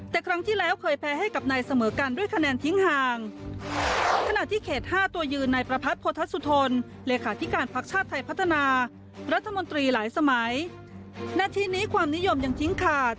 แต่ครั้งที่แล้วเคยแพ้ให้กับนายเสมอกันด้วยคะแนนทิ้งห่าง